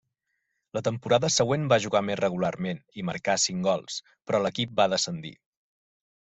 La temporada següent va jugar més regularment, i marcà cinc gols, però l'equip va descendir.